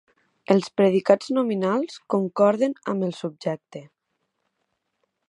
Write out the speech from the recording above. Els predicats nominals concorden amb el subjecte.